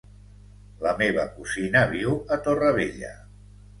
La meva cosina viu a Torrevella.